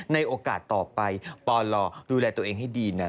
ในโอกาสต่อไปปลดูแลตัวเองให้ดีนะ